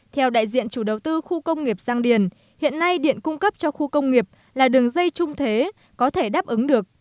theo đại diện chủ đầu tư khu công nghiệp giang điền hiện nay điện cung cấp cho khu công nghiệp là đường dây trung thế có thể đáp ứng được